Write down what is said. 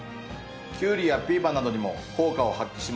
キュウリやピーマンなどにも効果を発揮します。